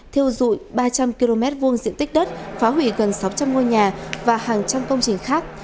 thiêu dụi ba trăm linh km hai diện tích đất phá hủy gần sáu trăm linh ngôi nhà và hàng trăm công trình khác